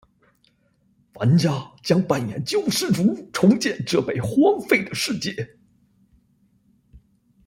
玩家将扮演救世主重建这被荒废的世界。